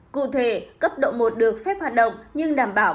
cụ thể cấp độ một được phép hoạt động nhưng đảm bảo